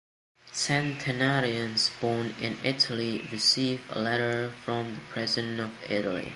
Centenarians born in Italy receive a letter from the President of Italy.